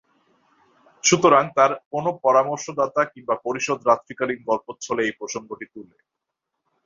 সুতরাং তার কোন পরামর্শদাতা কিংবা পারিষদ রাত্রিকালীন গল্পচ্ছলে এ প্রসঙ্গটি তুলে।